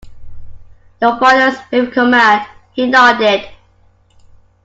Your father's fifth command, he nodded.